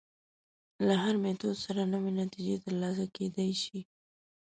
له هر میتود سره نوې نتیجې تر لاسه کېدای شي.